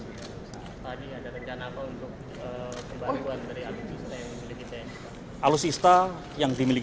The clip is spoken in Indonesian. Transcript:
tadi ada rencana apa untuk pembangunan dari alusista yang dimiliki tni